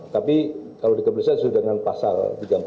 tapi kalau di kepolisian sesuai dengan pasal tiga ratus empat puluh